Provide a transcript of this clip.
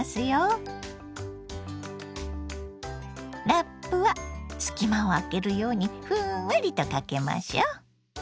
ラップは隙間を空けるようにふんわりとかけましょ。